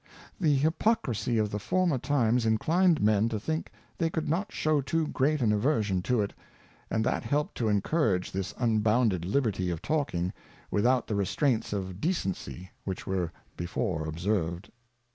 The Hypocrisy of the former Times inclined Men to think they could not shew too great an Aversion to it, and that helped to encourage this unbounded liberty of Talking, with out the Restraints of Decency which were before observed.